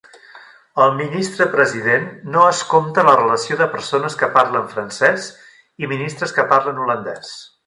El Ministre-President no es compte a la relació de persones que parlen francès i ministres que parlen holandès.